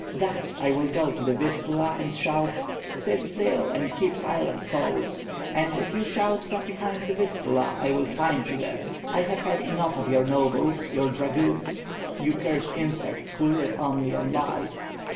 Thus, I will go to the Vistula and shout: 'Sit still and keep silence, Poles!' and if you shout from behind the Vistula I will find you there. I have had enough of your nobles, your dragoons, you cursed insects, who live only on lies."